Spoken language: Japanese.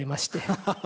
ハハハッ。